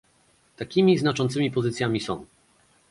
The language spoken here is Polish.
Takimi znaczącymi pozycjami są